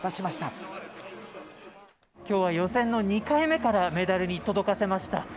きょうは予選の２回目からメダルに届かせました。